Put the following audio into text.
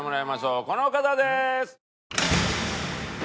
この方です。